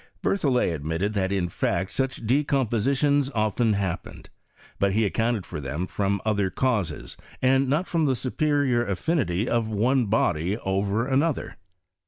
Berthollet admitted that in /act such decompositions often happened ; but he accounted for them from other causes, and not firom the superior affinity of one body over another.